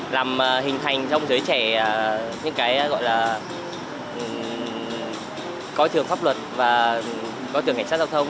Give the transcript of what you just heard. làm hình thành trong giới trẻ những cái gọi là coi thường pháp luật và coi thường cảnh sát giao thông